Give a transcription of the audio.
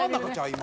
今」